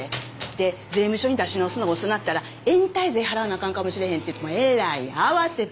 で税務署に出し直すのが遅うなったら延滞税払わなあかんかもしれへんていうてえらい慌てて。